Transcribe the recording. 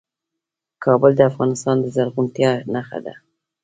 کابل د افغانستان د زرغونتیا نښه ده.